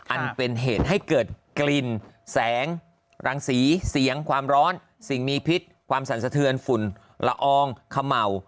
อันเป็นเหตุให้เกิดกลิ่นแสงรังสีเสียงความร้อนสิ่งมีพิษความสั่นสะเทือนฝุ่นละอองเขม่า